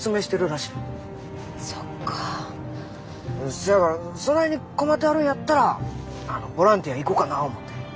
せやからそないに困ってはるんやったらボランティア行こかな思て。